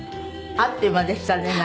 あっという間でした。